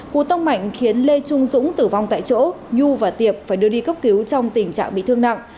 cú tông mạnh khiến lê trung dũng tử vong tại chỗ nhu và tiệp phải đưa đi cấp cứu trong tình trạng bị thương nặng